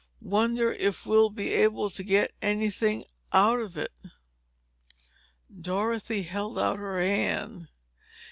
Wonder if we'll be able to get anything out of it?" Dorothy held out her hand.